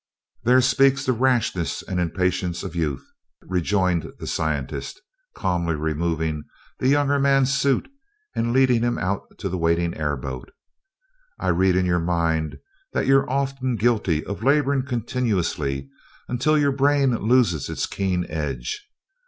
"There speaks the rashness and impatience of youth," rejoined the scientist, calmly removing the younger man's suit and leading him out to the waiting airboat. "I read in your mind that you are often guilty of laboring continuously until your brain loses its keen edge.